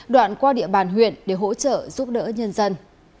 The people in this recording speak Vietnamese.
đoạn qua địa bàn huyện để hỗ trợ giúp đỡ nhân dân